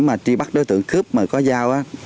mà truy bắt đối tượng cướp mà có dao á